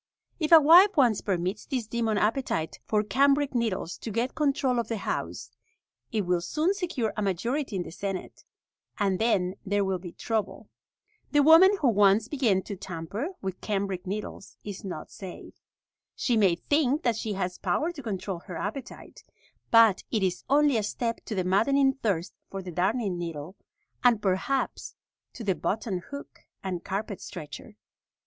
If a wife once permits this demon appetite for cambric needles to get control of the house, it will soon secure a majority in the senate, and then there will be trouble. The woman who once begins to tamper with cambric needles is not safe. She may think that she has power to control her appetite, but it is only a step to the maddening thirst for the darning needle, and perhaps to the button hook and carpet stretcher.